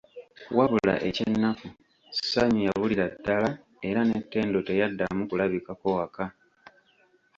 Wabula eky'ennaku, Ssanyu yabulira ddala era ne Ttendo teyaddamu kulabikako waka.